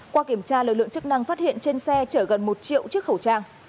qua kiểm tra lực lượng chức năng phát hiện trên xe chở gần một triệu chiếc khẩu trang